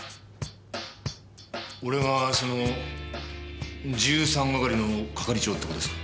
俺がその１３係の係長って事ですか？